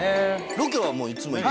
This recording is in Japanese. ロケはもういつも行って。